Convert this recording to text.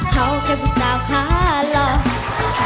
เขาคะผู้สาวฆ่าหลง